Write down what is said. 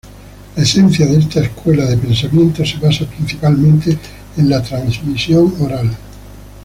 La esencia de esta escuela de pensamiento se basa principalmente en la trasmisión oral.